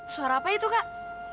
suara apa itu kak